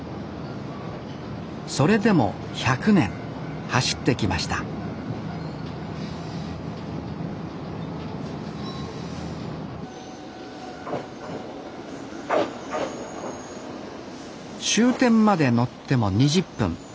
それでも１００年走ってきました終点まで乗っても２０分。